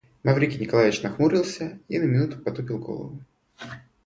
Маврикий Николаевич нахмурился и на минуту потупил голову.